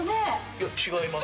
いや違います。